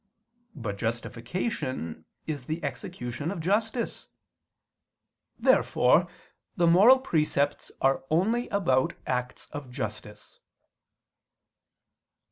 But justification is the execution of justice. Therefore the moral precepts are only about acts of justice.